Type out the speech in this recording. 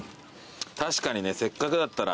確かにねせっかくだったら。